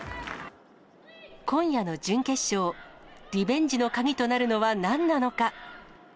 今夜の準決勝、リベンジの鍵となるのはなんなのか。